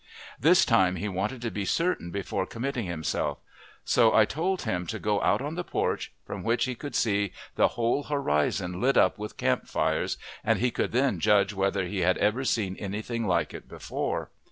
This time he wanted to be certain before committing himself; so I told him to go out on the porch, from which he could see the whole horizon lit up with camp fires, and he could then judge whether he had ever seen any thing like it before.